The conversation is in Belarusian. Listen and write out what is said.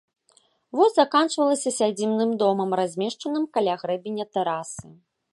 Вось заканчвалася сядзібным домам, размешчаным каля грэбеня тэрасы.